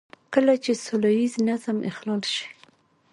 کله چې سوله ييز نظم اخلال شي.